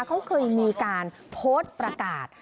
เขาเคยมีการโพสต์ประกาศ